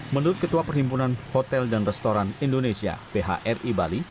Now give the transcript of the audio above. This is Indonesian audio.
menurut ketua perhimpunan hotel dan restoran indonesia phri bali